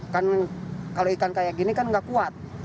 kan kalau ikan kayak gini kan nggak kuat